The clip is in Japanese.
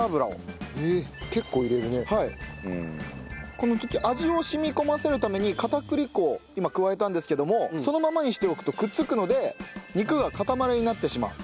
この時味を染み込ませるために片栗粉を今加えたんですけどもそのままにしておくとくっつくので肉が塊になってしまう。